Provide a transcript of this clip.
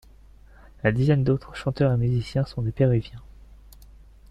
La dizaine d'autres chanteurs et musiciens sont des Péruviens.